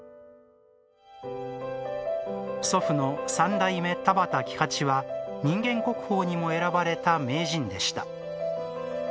祖父の三代目・田畑喜八は人間国宝にも選ばれた名人でした。